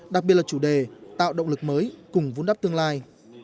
đặc biệt là chủ đề tạo động lực mới cùng vun đắp tương lai